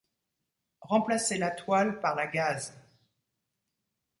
Remplacez la toile par la gaze.